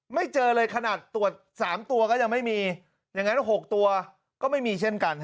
เจอเลยขนาดตรวจ๓ตัวก็ยังไม่มีอย่างนั้น๖ตัวก็ไม่มีเช่นกัน